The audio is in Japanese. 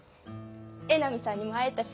江波さんにも会えたし。